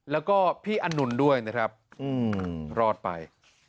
แล้วก็พี่อนนท์ด้วยนะครับรอดไป